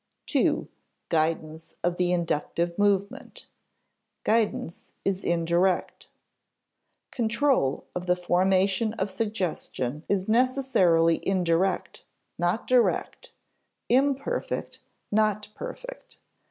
§ 2. Guidance of the Inductive Movement [Sidenote: Guidance is indirect] Control of the formation of suggestion is necessarily indirect, not direct; imperfect, not perfect.